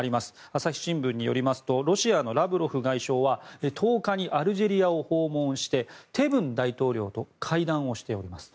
朝日新聞によりますとロシアのラブロフ外相は１０日にアルジェリアを訪問してテブン大統領と会談をしております。